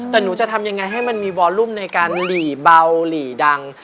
แต่หนูจะทำยังไงให้มันมีวอลุ่มในการหลีเบาหลีดัง